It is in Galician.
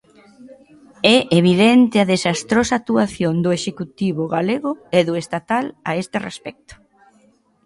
É evidente a desastrosa actuación do Executivo galego e do estatal a este respecto.